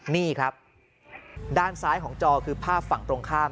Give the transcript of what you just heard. นี่ครับด้านซ้ายของจอคือภาพฝั่งตรงข้าม